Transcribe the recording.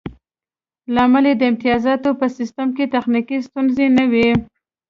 لامل یې د امتیازاتو په سیستم کې تخنیکي ستونزې نه وې